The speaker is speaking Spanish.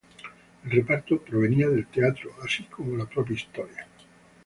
El reparto provenía del teatro, así como la propia historia.